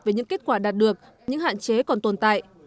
về những kết quả đạt được những hạn chế còn tồn tại